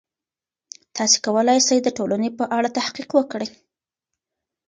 تاسې کولای سئ د ټولنې په اړه تحقیق وکړئ.